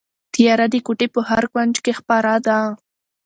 تیاره د کوټې په هر کونج کې خپره ده.